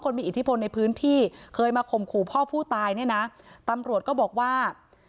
มีอิทธิพลในพื้นที่เคยมาข่มขู่พ่อผู้ตายเนี่ยนะตำรวจก็บอกว่า